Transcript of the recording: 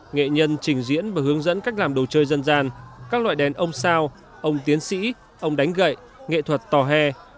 nghệ nhân trình diễn và hướng dẫn cách làm đồ chơi dân gian các loại đèn ông sao ông tiến sĩ ông đánh gậy nghệ thuật tòa hè